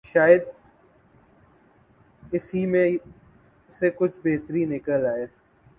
شاید اسی میں سے کچھ بہتری نکل آئے۔